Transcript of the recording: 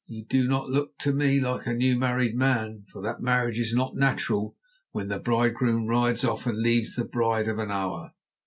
You do not look to me like a new married man, for that marriage is not natural when the bridegroom rides off and leaves the bride of an hour.